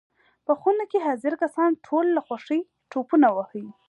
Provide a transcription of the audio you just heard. په خونه کې حاضر کسان ټول له خوښۍ ټوپونه وهي.